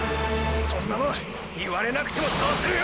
そんなもん言われなくてもそうするよ！！